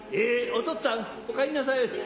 お父っつぁんお帰んなさいまし。